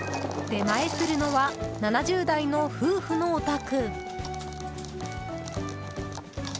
出前するのは７０代の夫婦のお宅。